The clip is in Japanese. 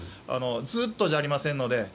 ずっとじゃありませんので。